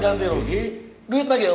ganti rugi duit lagi